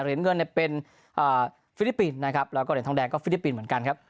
เหรียญเงินเนี่ยเป็นฟิลิปปินส์นะครับแล้วก็เหรียญทองแดงก็ฟิลิปปินส์เหมือนกันครับ